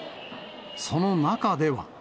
その中では。